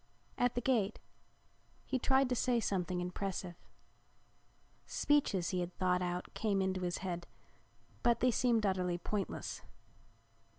At the gate he tried to say something impressive. Speeches he had thought out came into his head, but they seemed utterly pointless.